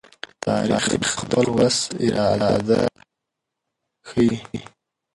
تاریخ د خپل ولس اراده ښيي.